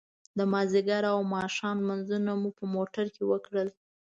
د ماذيګر او ماښام لمونځونه مو په موټر کې وکړل.